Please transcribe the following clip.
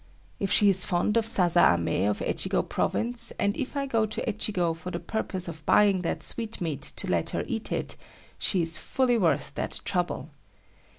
If she is fond of sasa ame of Echigo province, and if I go to Echigo for the purpose of buying that sweetmeat to let her eat it, she is fully worth that trouble.